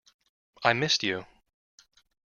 I missed you.